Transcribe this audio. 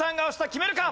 決めるか！？